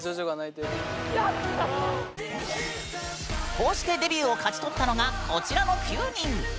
こうしてデビューを勝ち取ったのがこちらの９人。